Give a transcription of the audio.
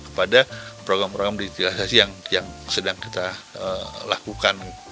kepada program program digitalisasi yang sedang kita lakukan